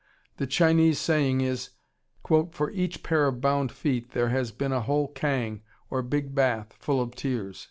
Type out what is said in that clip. The Chinese saying is, "For each pair of bound feet there has been a whole kang, or big bath, full of tears."